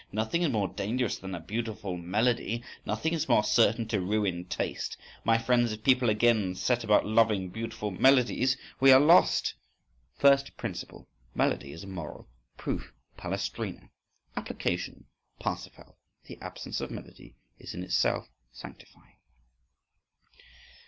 Nothing is more dangerous than a beautiful melody! Nothing is more certain to ruin taste! My friends, if people again set about loving beautiful melodies, we are lost!… First principle: melody is immoral. Proof: "Palestrina". Application: "Parsifal." The absence of melody is in itself sanctifying.